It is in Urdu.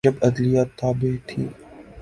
جب عدلیہ تابع تھی۔